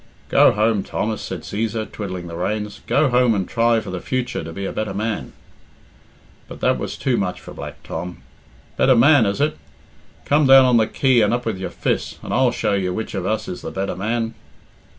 "Go home, Thomas," said Cæsar, twiddling the reins, "go home and try for the future to be a better man." But that was too much for Black Tom. "Better man, is it? Come down on the quay and up with your fiss, and I'll show you which of us is the better man."